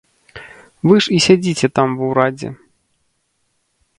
Вы ж і сядзіце там ва ўрадзе.